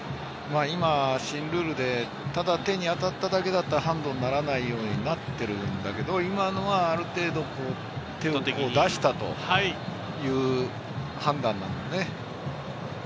今、新ルールでただ手に当たっただけだったらハンドにならないようになっているんだけど、今のは、ある程度、手を出したという判断なんだね。